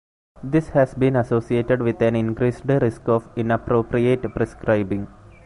This has been associated with an increased risk of inappropriate prescribing.